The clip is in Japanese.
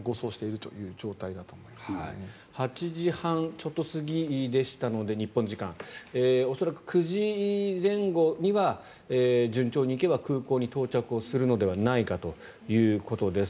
日本時間で８時半ちょっと過ぎでしたので恐らく９時前後には順調にいけば空港に到着するのではないかということです。